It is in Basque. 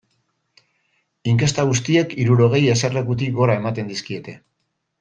Inkesta guztiek hirurogei eserlekutik gora ematen dizkiete.